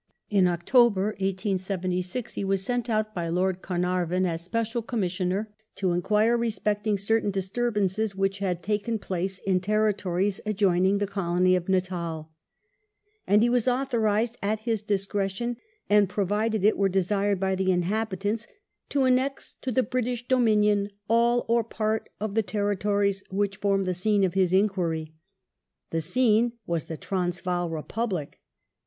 In October, 1876, he was sent out by Lord Carnarvon as " Special Commissioner to enquire respecting certain disturbances which have taken place in the tenitories adjoining the colony of Natal," and he was authorized, at his discretion, and provided it were desired by the inhabitants, " to annex to the British dominion all or part of the territories which formed the scene of his enquiry "} The scene was the Transvaal Republic.